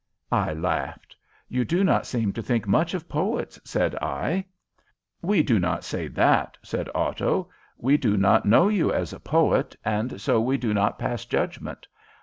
I laughed. "You do not seem to think much of poets," said I. "We do not say that," said Otto. "We do not know you as a poet, and so we do not pass judgment.